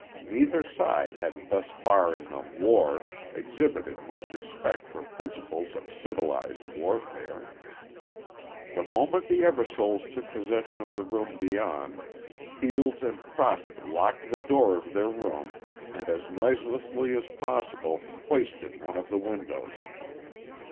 Neither side had thus far in the "war" exhibited much respect for principles of civilized warfare. The moment the Eversoles took possession of the rooms beyond, Fields and Profitt locked the door of their room and as noiselessly as possible hoisted one of the windows.